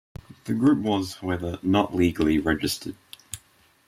The group was, however, not legally registered.